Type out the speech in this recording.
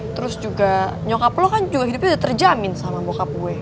terus juga nyokap lo kan juga hidupnya udah terjamin sama bokap gue